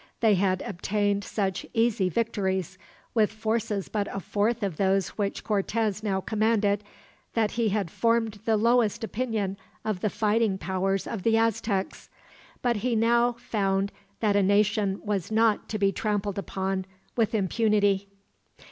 They had obtained such easy victories, with forces but a fourth of those which Cortez now commanded, that he had formed the lowest opinion of the fighting powers of the Aztecs. But he now found that a nation was not to be trampled upon with impunity.